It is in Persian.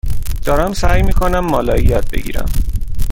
دارم سعی می کنم مالایی یاد بگیرم.